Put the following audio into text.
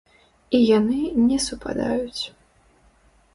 І яны не супадаюць.